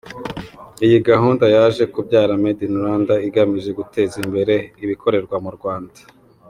Iyi gahunda yaje kubyara “Made in Rwanda” igamije guteza imbere ibikorerwa mu Rwanda.